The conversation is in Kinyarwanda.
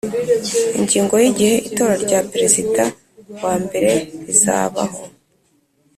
Ingingo y Igihe itora rya Perezida wa mbere rizabaho